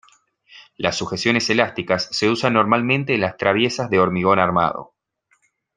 Las sujeciones elásticas se usan normalmente en las traviesas de hormigón armado.